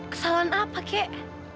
kesalahan apa kek